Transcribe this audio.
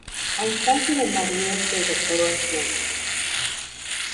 A instancia de Marie se doctoró en ciencias.